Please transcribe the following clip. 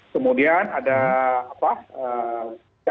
kemudian ada apa